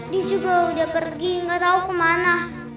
dia juga udah pergi gak tahu ke mana